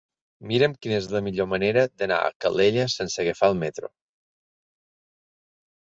Mira'm quina és la millor manera d'anar a Calella sense agafar el metro.